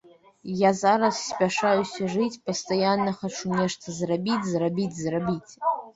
Я зараз спяшаюся жыць, пастаянна хачу нешта зрабіць, зрабіць, зрабіць.